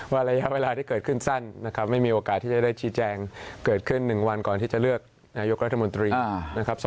ระยะเวลาที่เกิดขึ้นสั้นนะครับไม่มีโอกาสที่จะได้ชี้แจงเกิดขึ้น๑วันก่อนที่จะเลือกนายกรัฐมนตรีนะครับ